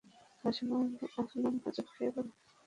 খেলার সময় আফনান হোঁচট খেয়ে পড়ে যেতেই তার নকল ডানাটা খুলে গেল।